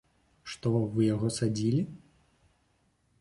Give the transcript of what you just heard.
Што, вы яго садзілі?